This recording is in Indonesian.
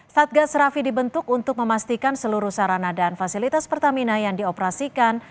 satgas rafi dibentuk untuk memastikan seluruh sarana dan fasilitas pertamina yang dioperasikan